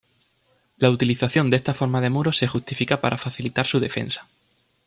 La utilización de esta forma de muros se justifica para facilitar su defensa.